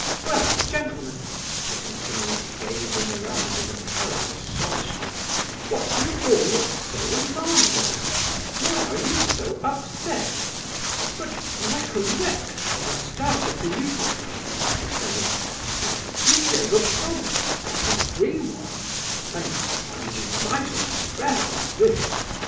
"Well, gentlemen!" she continued, gazing around in apparent astonishment; "what do you all look so alarmed about? Why are you so upset?" "But—recollect, Nastasia Philipovna," stammered Totski, "you gave a promise, quite a free one, and—and you might have spared us this.